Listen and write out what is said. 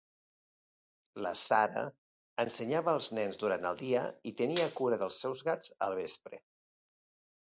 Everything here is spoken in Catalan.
La Sarah ensenyava els nens durant el dia i tenia cura dels seus gats al vespre.